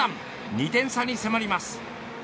２点差に迫ります。